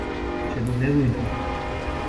چگونه روی داد؟